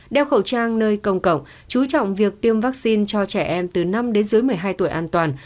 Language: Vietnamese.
đeo khẩu trang nơi công cộng chú trọng việc tiêm vaccine cho trẻ em từ năm đến dưới một mươi hai tuổi an toàn